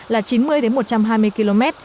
là chín mươi một trăm hai mươi km